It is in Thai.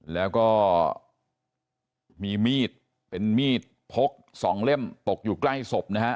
แล้วก็มีมีดเป็นมีดพก๒เล่มตกอยู่ใกล้ศพนะฮะ